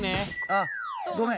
あっごめん。